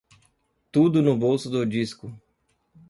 Tudo no bolso do disco